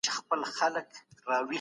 هغه د خپلو پښو په مینځلو بوخت دی.